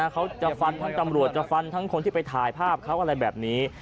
เขาจะฟันทั้งตำรวจจะฟันทั้งคนที่ไปถ่ายภาพเขาอะไรแบบนี้